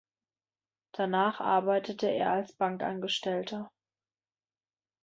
Danach arbeitete er als Bankangestellter.